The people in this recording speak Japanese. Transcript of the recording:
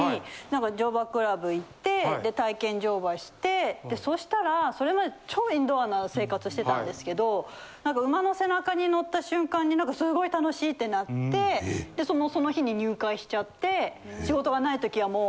体験乗馬してそしたらそれまで超インドアな生活をしてたんですけど何か馬の背中に乗った瞬間に何かすごい楽しいってなってその日に入会しちゃって。